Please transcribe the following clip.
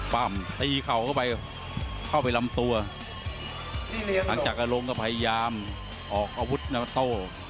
ป้ามตีเข้าเข้าไปลำตัวหลังจากอารมณ์ก็พยามออกอาวุธมาโต้